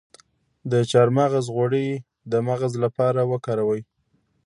د چارمغز غوړي د مغز لپاره وکاروئ